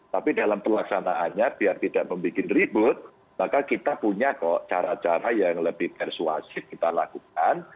tapi dalam pelaksanaannya biar tidak membuat ribut maka kita punya kok cara cara yang lebih persuasif kita lakukan